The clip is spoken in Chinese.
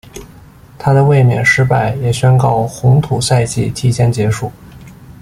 她的卫冕失败也宣告红土赛季提前结束。